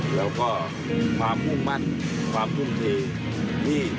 แล้วก็ความมุ่งมั่นความทุ่มเท